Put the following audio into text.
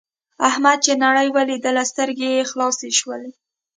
احمد چې نړۍ ولیدله سترګې یې خلاصې شولې.